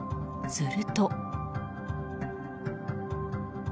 すると。